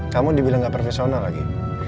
kamu dibilang nggak profesional lagi